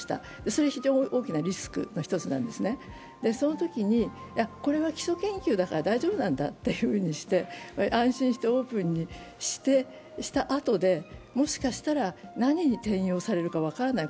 それは非常に大きなリスクの一つなんですね、そういうときにこれは基礎研究だから大丈夫なんだというふうにして安心してオープンにしたあとで、もしかしたら、何に転用されるか分からない。